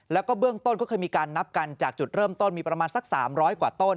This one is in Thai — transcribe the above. แล้วก็เบื้องต้นก็เคยมีการนับกันจากจุดเริ่มต้นมีประมาณสัก๓๐๐กว่าต้น